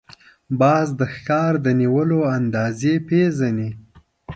باز د ښکار د نیولو اندازې پېژني